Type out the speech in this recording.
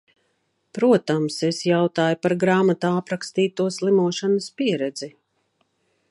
Protams, es jautāju par grāmatā aprakstīto slimošanas pieredzi.